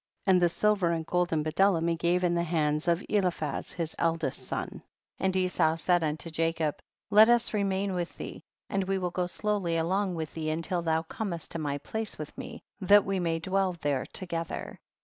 67. And liie silver and gold and bdellium he gave in the hands of Eli phaz his eldest son, and Esau said unto Jacob, let us remain with thee, and we will go slowly along with thee until thou comest to my place with me, that we may dwell there together.